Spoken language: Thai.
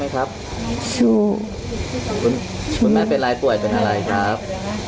คุณแม่สู้ไหมครับสู้คุณแม่เป็นไรป่วยเป็นอะไรครับ